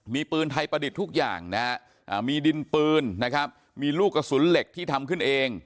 มีปืนไทยประดิษฐ์ทุกอย่างนะฮะมีดินปืนนะครับมีลูกกระสุนเหล็กที่ทำขึ้นเอง